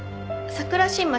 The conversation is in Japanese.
桜新町？